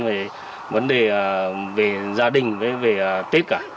về vấn đề về gia đình về tết cả